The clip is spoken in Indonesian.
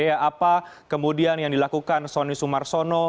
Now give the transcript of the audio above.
apa kemudian yang dilakukan sonny sumarsono